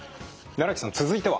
木さん続いては？